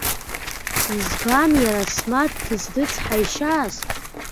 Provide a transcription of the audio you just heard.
Избан иара Асмаҭ дызрыцҳаишьаз?